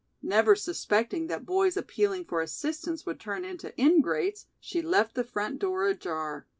Never suspecting that boys appealing for assistance would turn into ingrates, she left the front door ajar.